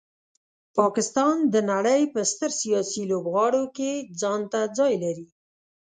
پاکستان د نړۍ په ستر سیاسي لوبغاړو کې ځانته ځای لري.